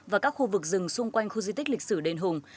và các khu vực rừng xung quanh khu di tích lịch sử đền hùng